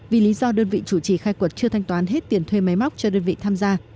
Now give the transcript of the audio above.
vì lý do đơn vị chủ trì khai quật chưa thanh toán hết tiền thuê máy móc cho đơn vị tham gia